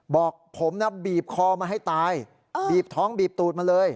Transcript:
บอกผมนะบีบคอมาให้ตายบีบท้องบีบตูดมาเลย